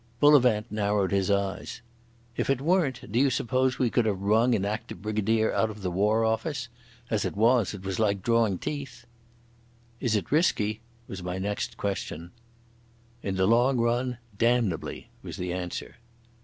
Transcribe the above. Bullivant narrowed his eyes. "If it weren't, do you suppose we could have wrung an active brigadier out of the War Office? As it was, it was like drawing teeth." "Is it risky?" was my next question. "In the long run—damnably," was the answer.